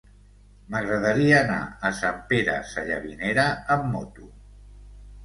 M'agradaria anar a Sant Pere Sallavinera amb moto.